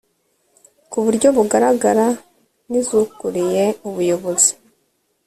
ku buryo bugaragara n iz ukuriye ubuyobozi